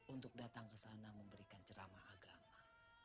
untuk datang ke sana memberikan ceramah agama